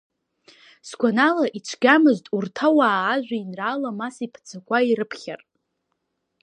Сгәанала, ицәгьамызт урҭ ауаа ажәеинраала Мас иԥаҵақәа ирыԥхьар.